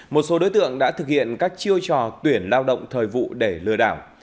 một số đối tượng đã thực hiện các chiêu trò tuyển lao động thời vụ để lừa đảo